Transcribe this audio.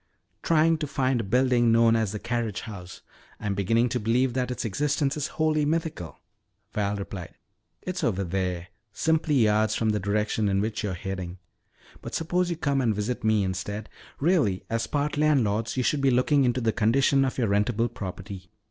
"Trying to find a building known as the carriage house. I'm beginning to believe that its existence is wholly mythical," Val replied. "It's over there, simply yards from the direction in which you're heading. But suppose you come and visit me instead. Really, as part landlords, you should be looking into the condition of your rentable property."